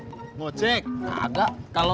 pirs untuk berungsor di k lego